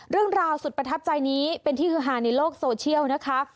เรื่องราวสุดประทับใจนี้เป็นที่ฮือฮาในโลกโซเชียลนะคะ